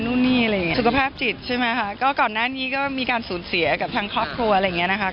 สุขภาพจิตใช่ไหมคะก็ก่อนหน้านี้ก็มีการสูญเสียกับทั้งครอบครัวอะไรอย่างนี้นะคะ